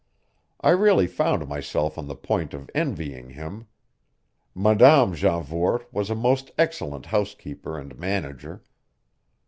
I really found myself on the point of envying him; Mme. Janvour was a most excellent housekeeper and manager.